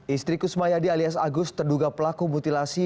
istri kusmayadi alias agus terduga pelaku mutilasi